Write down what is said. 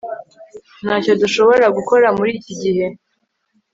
ntacyo dushobora gukora muri iki gihe